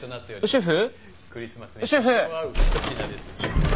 シェフ！